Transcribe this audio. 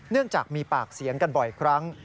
จากมีปากเสียงกันบ่อยครั้ง